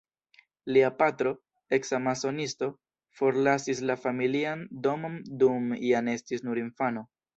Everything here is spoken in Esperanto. Lia patro, eksa masonisto, forlasis la familian domon dum Jan estis nur infano.